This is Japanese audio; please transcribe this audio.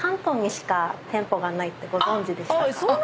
ご存じでしたか？